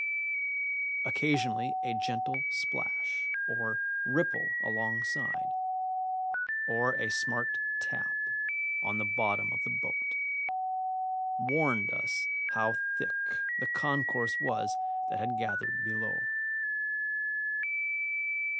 Occasionally a gentle splash or ripple alongside, or a smart tap on the bottom of the boat, warned us how thick the concourse was that had gathered below.